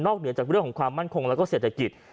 เหนือจากเรื่องของความมั่นคงแล้วก็เศรษฐกิจ